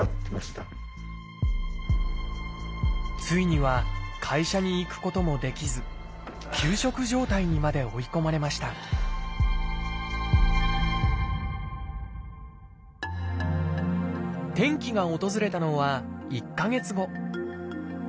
ついには会社に行くこともできず休職状態にまで追い込まれました転機が訪れたのは１か月後。